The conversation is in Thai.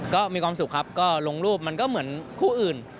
ก็มีความสุขครับก็ลงรูปมันก็เหมือนคู่อื่น